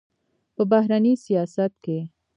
په بهرني سیاست کې